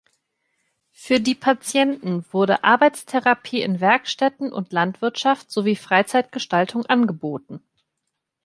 Für die Patienten wurde Arbeitstherapie in Werkstätten und Landwirtschaft sowie Freizeitgestaltung angeboten.